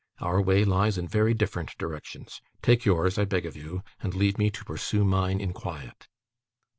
Our way lies in very different directions. Take yours, I beg of you, and leave me to pursue mine in quiet.